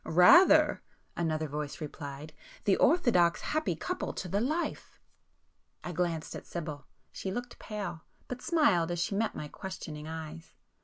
"Rather!" another voice replied—"The orthodox 'happy couple' to the life!" I glanced at Sibyl. She looked pale,—but smiled as she met my questioning eyes.